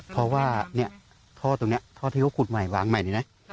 เพราะว่าเนี่ยท่อตรงนี้ท่อที่เขาขุดใหม่วางใหม่นี่นะ